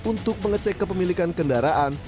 untuk mengecek kepemilikan kendaraan